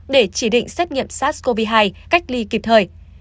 để chỉ định xét nghiệm sars cov hai cách ly kịp thời